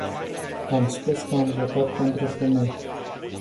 Am spus că am votat pentru femei.